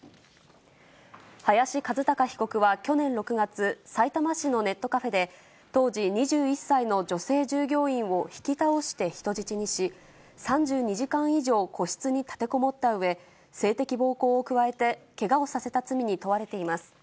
林一貴被告は去年６月、さいたま市のネットカフェで、当時２１歳の女性従業員を引き倒して人質にし、３２時間以上、個室に立てこもったうえ、性的暴行を加えて、けがをさせた罪に問われています。